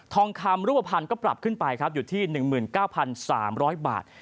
ทองคำรูปภัณฑ์ก็ปรับขึ้นไปครับอยู่ที่๑๙๓๐๐บาท